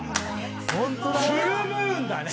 フルムーンだね！